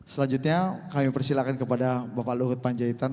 selanjutnya kami persilakan kepada bapak luhut panjaitan